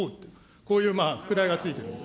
こういう副題がついているんです。